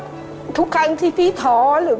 การที่บูชาเทพสามองค์มันทำให้ร้านประสบความสำเร็จ